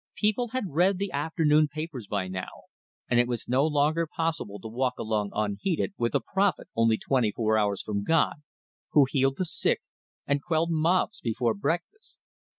People had read the afternoon papers by now, and it was no longer possible to walk along unheeded, with a prophet only twenty four hours from God, who healed the sick and quelled mobs before breakfast.